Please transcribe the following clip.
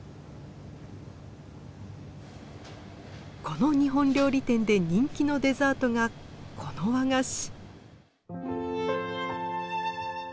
この日本料理店で人気のデザートがこの和菓子。